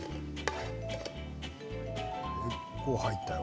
結構、入ったよ。